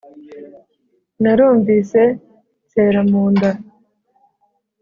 Narumvise nsera mu nda